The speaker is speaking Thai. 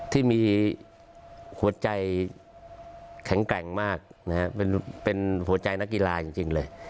ที่มีหัวใจแข็งแกร่งมากนะฮะเป็นหัวใจนักกีฬาจริงเลย